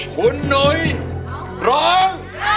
คุณหนุ้ยร้อง